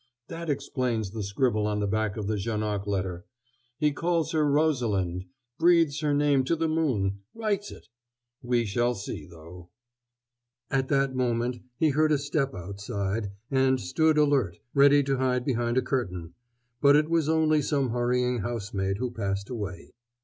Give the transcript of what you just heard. That explains the scribble on the back of the Janoc letter. He calls her Rosalind breathes her name to the moon writes it! We shall see, though." At that moment he heard a step outside, and stood alert, ready to hide behind a curtain; but it was only some hurrying housemaid who passed away.